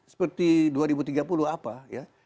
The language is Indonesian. seperti dua ribu tiga puluh apa ya